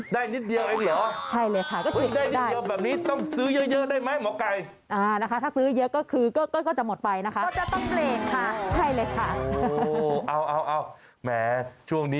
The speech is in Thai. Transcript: ได้นิดเดียวอีกเหรอ